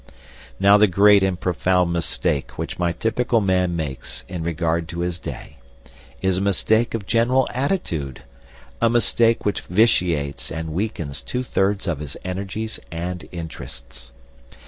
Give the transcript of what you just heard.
Now the great and profound mistake which my typical man makes in regard to his day is a mistake of general attitude, a mistake which vitiates and weakens two thirds of his energies and interests.